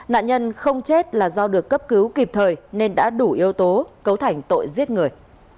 nạn nhân không chết là do được cấp cứu kịp thời nên đã đủ yếu tố cấu thành tội giết người